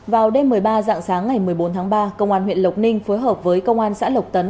vào đêm một mươi ba dạng sáng ngày một mươi bốn tháng ba công an huyện lộc ninh phối hợp với công an xã lộc tấn